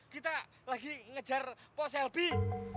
kita lagi ngejar pak selby